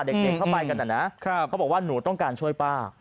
เด็กเข้าไปกันนะเขาบอกว่าหนูต้องการช่วยป้า